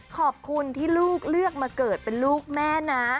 ขอบคุณที่ลูกเลือกมาเกิดเป็นลูกแม่นะ